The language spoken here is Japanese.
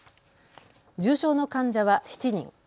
重症の患者は７人。